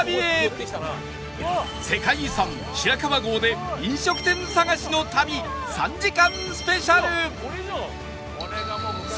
世界遺産白川郷で飲食店探しの旅３時間スペシャル